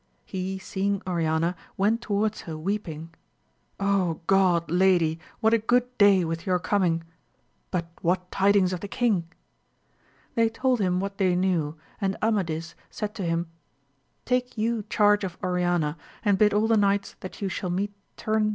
He seeing Oriana went towards her weep ing : Oh God, lady, what a good day with your coming ? but what tidings of the king ? They told him what they knew, and Amadis said to him, Take you charge of Oriana, and bid all the knights that you shall meet tvxm \>?